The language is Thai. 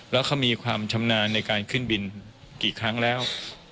แล้วเขามีความชำนาญในการขึ้นบินกี่ครั้งแล้ว